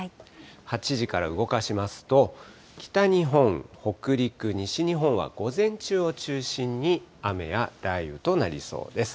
８時から動かしますと、北日本、北陸、西日本は午前中を中心に雨や雷雨となりそうです。